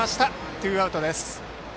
ツーアウトです。